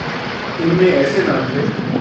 ان میں ایسے نام تھے۔